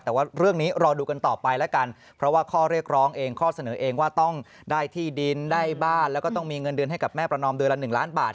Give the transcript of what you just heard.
แต่ว่าเรื่องนี้รอดูกันต่อไปแล้วกันเพราะว่าข้อเรียกร้องเองข้อเสนอเองว่าต้องได้ที่ดินได้บ้านแล้วก็ต้องมีเงินเดือนให้กับแม่ประนอมเดือนละ๑ล้านบาท